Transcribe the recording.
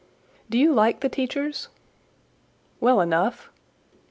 "Do you like the teachers?" "Well enough."